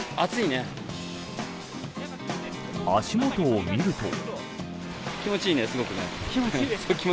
足元を見ると。